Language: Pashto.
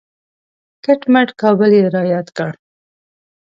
کټ مټ کابل یې را یاد کړ.